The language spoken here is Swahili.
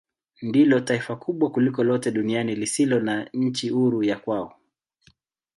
Ndilo taifa kubwa kuliko lote duniani lisilo na nchi huru ya kwao.